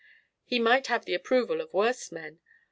"He might have the approval of worse men.